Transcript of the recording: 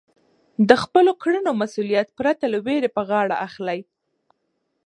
د خپلو کړنو مسؤلیت پرته له وېرې په غاړه اخلئ.